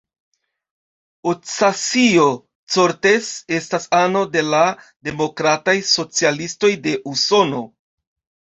Ocasio-Cortez estas ano de la Demokrataj Socialistoj de Usono.